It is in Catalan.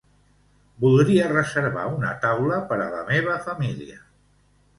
Voldria reservar una taula per a la meva família.